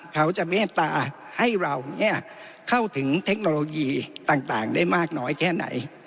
เขาจะเมตตาให้เราเข้าถึงเทคโนโลยีต่างได้มากน้อยแค่ไหน